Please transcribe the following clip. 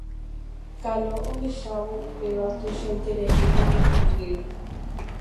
Kalo ohechávo upéva tuichaiterei oñemondýi